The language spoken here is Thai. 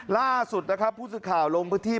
ล่าสุดนะครับพูดสิทธิ์ข่าวลงพื้นที่